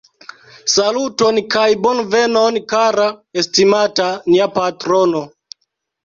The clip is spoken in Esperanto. Saluton kaj bonvenon kara estimata, nia patrono